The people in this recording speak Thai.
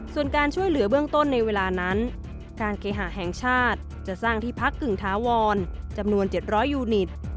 ส่วนการช่วยเหลือเบื้องต้นในเวลานั้นการเคหาแห่งชาติจะสร้างที่พักกึ่งถาวรจำนวน๗๐๐ยูนิต